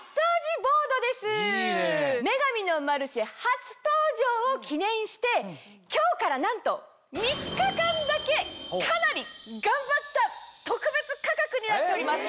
『女神のマルシェ』初登場を記念して今日からなんと３日間だけかなり頑張った特別価格になっております。